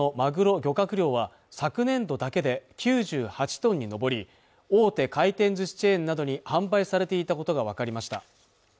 漁獲量は昨年度だけで９８トンに上り大手回転寿司チェーンなどに販売されていたことが分かりました